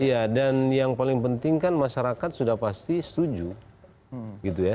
ya dan yang paling penting kan masyarakat sudah pasti setuju